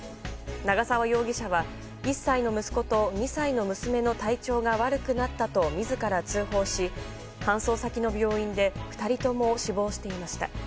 長沢容疑者は１歳の息子と２歳の娘の体調が悪くなったと自ら通報し搬送先の病院で２人とも死亡していました。